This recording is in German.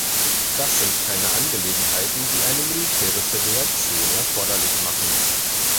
Das sind keine Angelegenheiten, die eine militärische Reaktion erforderlich machen.